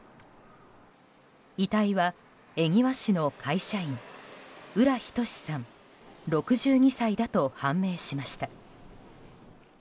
遺体は恵庭市の会社員浦仁志さん、６２歳だと判明しました。